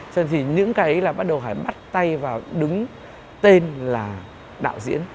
cho nên thì những cái là bắt đầu phải bắt tay vào đứng tên là đạo diễn